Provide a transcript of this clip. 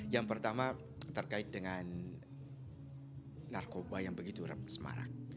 yang pertama terkait dengan narkoba yang begitu remes marah